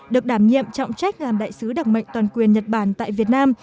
được đảm nhiệm trọng trách làm đại sứ đặc mệnh toàn quyền nhật bản tại việt nam